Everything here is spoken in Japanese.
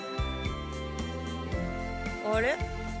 あれ？